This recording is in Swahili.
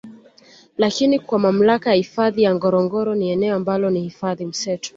Lakini kwa mamlaka ya hifadhi ya Ngorongoro ni eneo ambalo ni hifadhi mseto